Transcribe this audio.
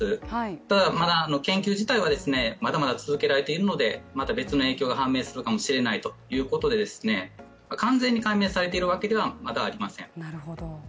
ただ、まだ研究自体はまだまだ続けられているのでまた別の影響が判明するかもしれないということで、完全に解明されているわけではまだありません。